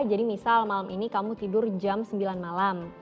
jadi misal malam ini kamu tidur jam sembilan malam